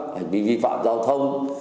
hành vi vi phạm giao thông